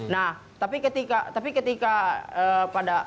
nah tapi ketika tapi ketika pada